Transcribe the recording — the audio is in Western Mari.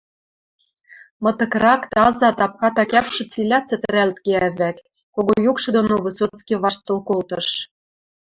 мытыкрак, таза, тапката кӓпшӹ цилӓ цӹтӹрӓлт кеӓ вӓк, кого юкшы доно Высоцкий ваштыл колтыш.